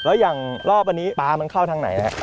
แล้วอย่างรอบอันนี้ปลามันเข้าทางไหนฮะ